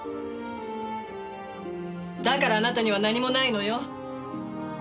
だからあなたには何もないのよ。